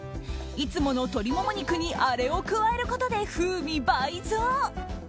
いつもの鶏モモ肉にあれを加えることで、風味倍増。